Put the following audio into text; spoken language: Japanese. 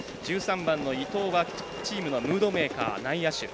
１３番の伊藤はチームのムードメーカー内野手。